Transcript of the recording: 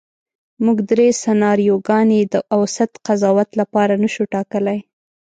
موږ درې سناریوګانې د اوسط قضاوت لپاره نشو ټاکلی.